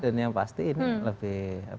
dan yang pasti ini lebih